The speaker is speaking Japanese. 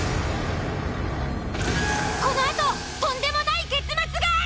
このあととんでもない結末が！